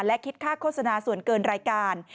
และคิดค่าโฆษณาส่วนเกินรายการ